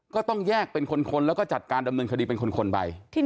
ก็ต้องแยกเป็นคนแล้วก็จัดการดำเนินคดีเป็นคนไป